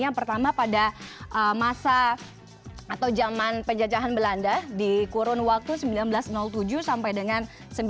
yang pertama pada masa atau zaman penjajahan belanda di kurun waktu seribu sembilan ratus tujuh sampai dengan seribu sembilan ratus sembilan puluh